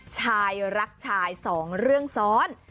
ชายรักชายสองเรื่องซ้อน